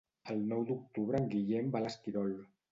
El nou d'octubre en Guillem va a l'Esquirol.